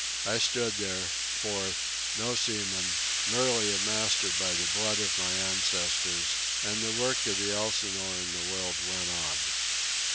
I stood here, fourth, no seaman, merely a master by the blood of my ancestors; and the work of the Elsinore in the world went on.